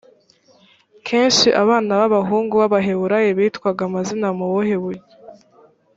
akenshi abana b’abahungu b’abaheburayo bitwaga amazina mu buhe buryo